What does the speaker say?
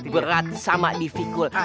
berat sama di fikul